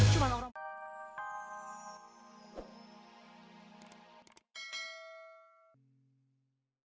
mas prabu sudah selesai